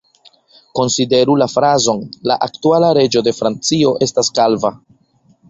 Konsideru la frazon "La aktuala reĝo de Francio estas kalva.